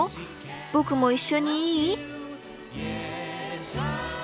僕も一緒にいい？